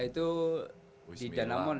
itu di danamon ya